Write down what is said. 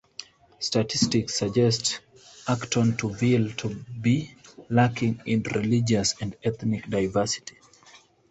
Statistics suggest Acton Turville to be lacking in religious and ethnic diversity.